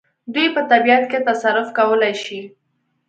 دوی په طبیعت کې تصرف کولای شي.